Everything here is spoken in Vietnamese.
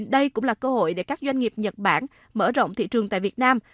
đây cũng là cơ hội để các doanh nghiệp nhật bản mở rộng thị trường tại việt nam